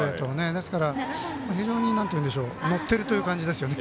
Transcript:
ですから、非常に乗ってるという感じですよね。